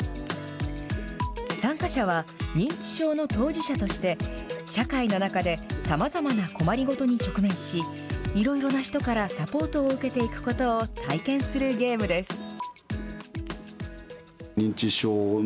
参加者は、認知症の当事者として、社会の中でさまざまな困りごとに直面し、いろいろな人からサポートを受けていくことを体験するゲームです。